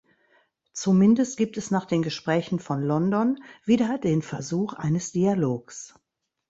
Zumindest gibt es nach den Gesprächen von London wieder den Versuch eines Dialogs.